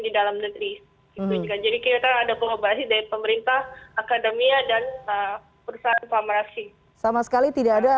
jadi kita ada pengobasi dari pemerintah akademia dan perusahaan informasi